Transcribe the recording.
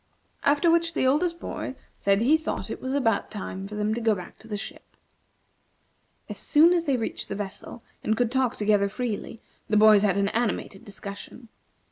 After which the oldest boy said that he thought it was about time for them to go back to the ship. As soon as they reached the vessel, and could talk together freely, the boys had an animated discussion.